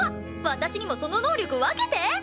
私にもその能力分けて！